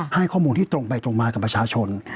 ให้ข้อมูลที่ตรงไปตรงมากับประชาชน